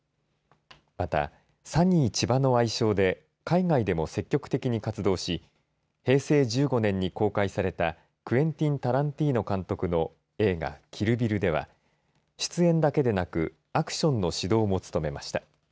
また、サニー・チバの愛称で海外でも積極的に活動し平成１５年に公開されたクエンティン・タランティーノ監督の映画キル・ビルでは出演だけでなくアクションの指導も務めました。